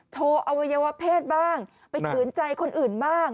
โชว์อวัยวะเพศบ้างไปขืนใจคนอื่นบ้าง